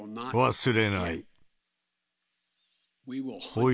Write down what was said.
忘れない。